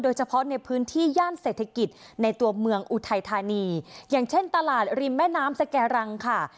เฉพาะในพื้นที่ย่านเศรษฐกิจในตัวเมืองอุทัยธานีอย่างเช่นตลาดริมแม่น้ำสแก่รังค่ะ